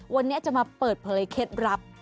วันนี้จะมาเปิดเผยเคล็ดลับ